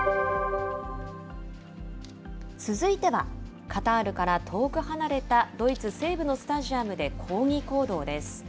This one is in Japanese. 続いては、カタールから遠く離れたドイツ西部のスタジアムで抗議行動です。